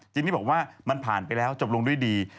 ทีนี้บอกว่ามันผ่านไปแล้วจบลงด้วยดี